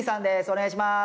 お願いします。